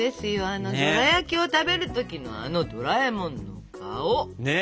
あのドラやきを食べる時のあのドラえもんの顔。ね。